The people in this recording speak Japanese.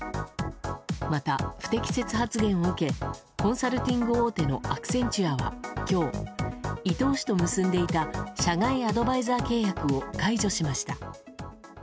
また、不適切発言を受けコンサルティング大手のアクセンチュアは今日伊東氏と結んでいた社外アドバイザー契約を解除しました。